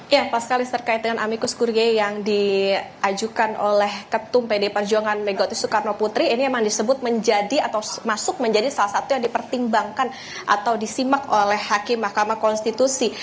ya pas kalis terkait dengan amikus kurie yang diajukan oleh ketua umum pdi perjuangan megawati soekarno putsi ini memang disebut menjadi atau masuk menjadi salah satu yang dipertimbangkan atau disimak oleh hakim kamakonstitusi